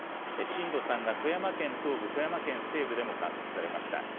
震度３が富山県東部、富山県西部でも観測されました。